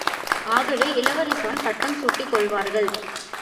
ஆகவே இளவரசிதான் பட்டம் சூட்டிக் கொள்வார்கள்.